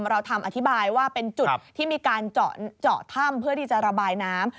เราทำอธิบายว่าเป็นจุดที่มีการเจาะถ้ำเพื่อที่จะระบายน้ำ